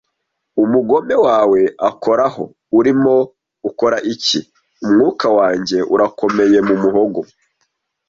Umugome wawe akoraho! urimo ukora iki? umwuka wanjye urakomeye mu muhogo,